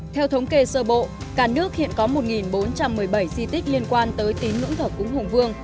theo thống kê sơ bộ cả nước hiện có một bốn trăm một mươi bảy di tích liên quan tới tín ngưỡng thờ cúng hùng vương